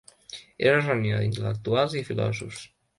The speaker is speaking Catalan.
Era una reunió d'intel·lectuals i filòsofs.